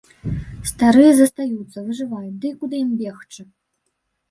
Старыя застаюцца, выжываюць, ды і куды ім бегчы?